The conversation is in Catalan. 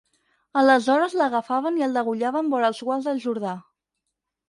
Aleshores l'agafaven i el degollaven vora els guals del Jordà.